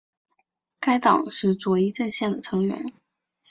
该党是左翼阵线的成员。